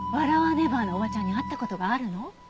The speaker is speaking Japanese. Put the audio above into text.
ネバーのおばちゃんに会った事があるの？